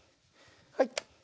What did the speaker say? はい。